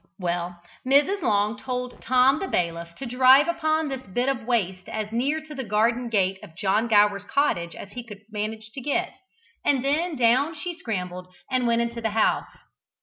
Well, Mrs. Long told Tom the Bailiff to drive upon this bit of waste as near to the garden gate of John Gower's cottage as he could manage to get, and then down she scrambled and went into the house.